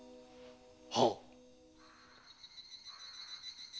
はっ。